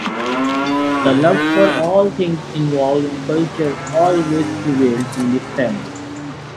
The love for all things involving culture always prevailed in his family.